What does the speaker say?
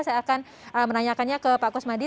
saya akan menanyakannya ke pak kusmadi